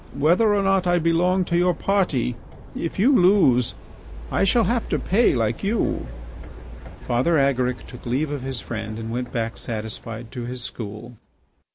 Whether or not I belong to your party, if you lose, I shall have to pay like you." Father Agaric took leave of his friend and went back satisfied to his school.